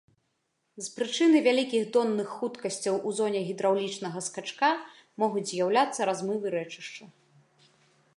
З прычыны вялікіх донных хуткасцяў у зоне гідраўлічнага скачка могуць з'яўляцца размывы рэчышча.